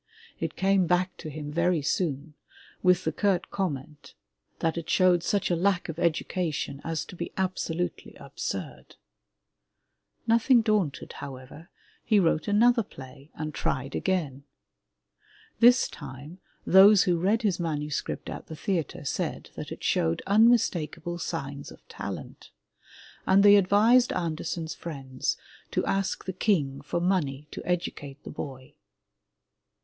It came back to him very soon with the curt comment that it showed such a lack 29 MY BOOK HOUSE of education as to be absolutely absurd. Nothing daunted, however, he wrote another play and tried again. This time those who read his manuscript at the theatre said that it showed unmistakable signs of talent, and they advised Andersen's friends to ask the King for money to educate the boy.